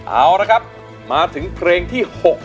เอาละครับมาถึงเพลงที่๖